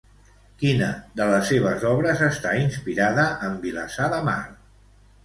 Quina de les seves obres està inspirada en Vilassar de Mar?